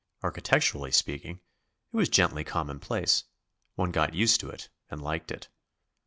Architecturally speaking, it was gently commonplace; one got used to it and liked it.